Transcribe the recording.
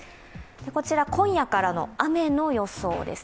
こちら、今夜からの雨の予想ですね